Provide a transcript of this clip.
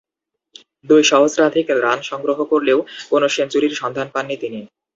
দুই সহস্রাধিক রান সংগ্রহ করলেও কোন সেঞ্চুরির সন্ধান পাননি তিনি।